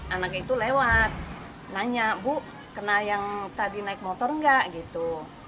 anak itu lewat nanya bu kena yang tadi naik motor nggak gitu